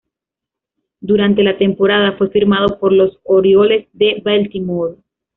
Durante la temporada, fue firmado por los Orioles de Baltimore.